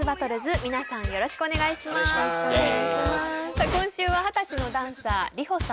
さあ今週は二十歳のダンサー。